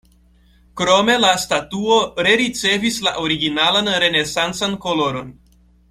Krome la statuo rericevis la originalan renesancan koloron.